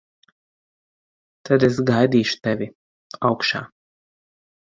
Tad es gaidīšu tevi augšā.